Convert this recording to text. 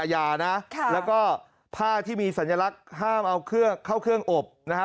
อย่านะแล้วก็ผ้าที่มีสัญลักษณ์ห้ามเอาเข้าเครื่องอบนะฮะ